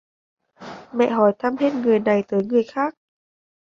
Mẹ hỏi thăm hết người này tới người khác